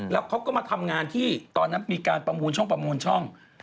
แล้วเขาก็มาทำงานที่ตอนนั้นมีการประมูลช่อง